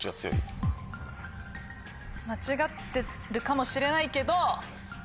間違ってるかもしれないけど。